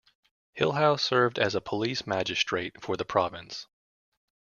Hillhouse served as a police magistrate for the province.